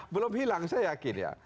belum hilang saya yakin ya